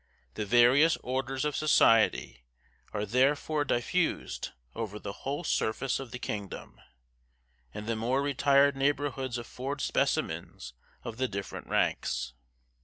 The various orders of society are therefore diffused over the whole surface of the kingdom, and the more retired neighborhoods afford specimens of the different ranks.